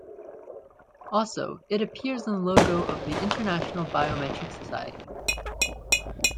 Also, it appears in the logo of the International Biometric Society.